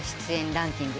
ランキング